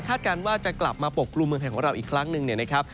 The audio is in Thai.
การว่าจะกลับมาปกกลุ่มเมืองไทยของเราอีกครั้งหนึ่งเนี่ยนะครับ